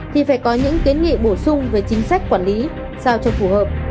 thì phải có những kiến nghị bổ sung về chính sách quản lý sao cho phù hợp